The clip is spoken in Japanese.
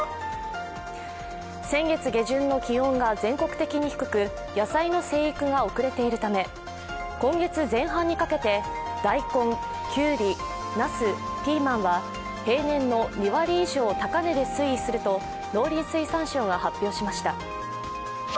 先月下旬の気温が全国的に低く、野菜の生育が遅れているため今月前半にかけて、大根、きゅうり、なす、ピーマンは平年の２割以上高値で推移すると、農林水産省が発表しました。